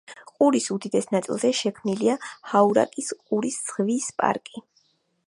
ყურის უდიდეს ნაწილზე შექმნილია ჰაურაკის ყურის ზღვის პარკი.